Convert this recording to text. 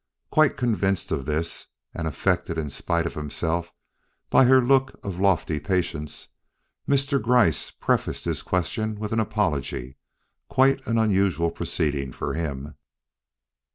Quite convinced of this, and affected in spite of himself by her look of lofty patience, Mr. Gryce prefaced his questions with an apology quite an unusual proceeding for him.